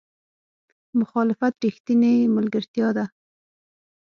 مخالفت رښتینې ملګرتیا ده.